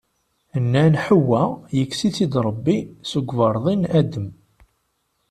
Nnan Ḥewwa yekkes-itt-id Rebbi seg uberḍi n Adem.